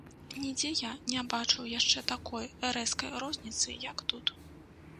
Нідзе я не бачыў яшчэ такой рэзкай розніцы, як тут.